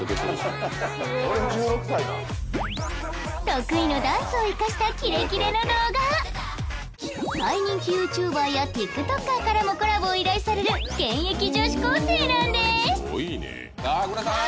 得意のダンスを生かしたキレキレの動画大人気ＹｏｕＴｕｂｅｒやＴｉｋＴｏｋｅｒからもコラボを依頼される現役女子高生なんですさくらさん！